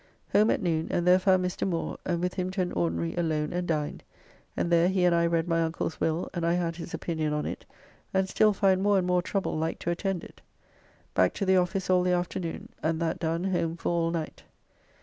Home at noon and there found Mr. Moore, and with him to an ordinary alone and dined, and there he and I read my uncle's will, and I had his opinion on it, and still find more and more trouble like to attend it. Back to the office all the afternoon, and that done home for all night.